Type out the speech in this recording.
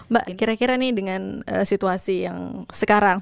mbak kira kira nih dengan situasi yang sekarang